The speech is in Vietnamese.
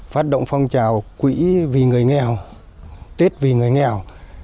phát động phong trào quỹ vì người nghèo tết vì người nghèo